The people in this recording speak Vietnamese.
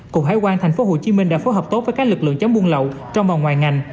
cục hải quan tp hcm đã phối hợp tốt với các lực lượng chống buôn lậu trong và ngoài ngành